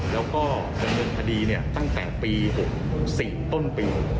แล้วก็ดังนึงฐะดีเนี่ยตั้งแต่ปี๖๐ต้นปี